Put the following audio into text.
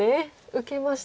受けました。